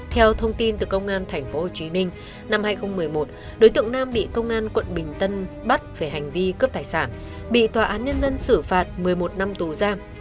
theo thông tin từ công an tp hcm năm hai nghìn một mươi một đối tượng nam bị công an quận bình tân bắt về hành vi cướp tài sản bị tòa án nhân dân xử phạt một mươi một năm tù giam